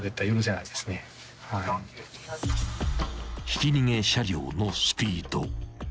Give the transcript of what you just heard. ［ひき逃げ車両のスピード］